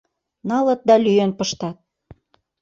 Налыт да лӱен пыштат!